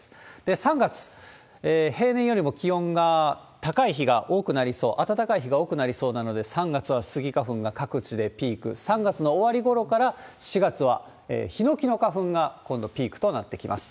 ３月、平年よりも気温が高い日が多くなりそう、暖かい日が多くなりそうなので、３月はスギ花粉が各地でピーク、３月の終わりごろから、４月はヒノキの花粉が、今度、ピークとなってきます。